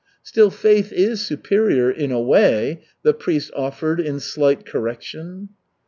"Still, faith is superior, in a way," the priest offered in slight correction.